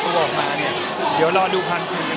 เดี๋ยวมารอดูความจริงหน่อยครับจะดูความจริงมั้ย